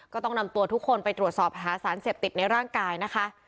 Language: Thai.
ก็ต้องนำตัวทุกคนไปตรวจสอบหาสารเสพติดในร่างกายนะคะ